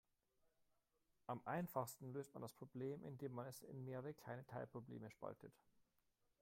Am einfachsten löst man das Problem, indem man es in mehrere kleine Teilprobleme spaltet.